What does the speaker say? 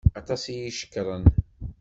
Aṭas iyi-d-icekkren.